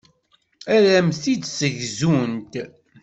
Ad am-t-id-ssegzunt.